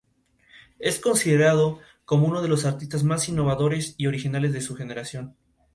Es considerado como uno de los artistas más innovadores y originales de su generación.